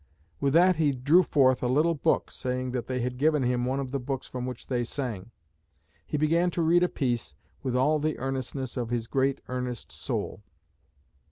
With that he drew forth a little book, saying that they had given him one of the books from which they sang. He began to read a piece with all the earnestness of his great, earnest soul.